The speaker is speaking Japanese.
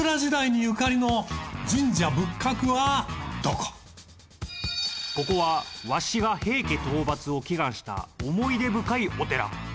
ここはわしが平家討伐を祈願した思い出深いお寺。